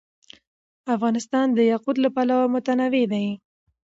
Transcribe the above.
افغانستان د یاقوت له پلوه متنوع دی.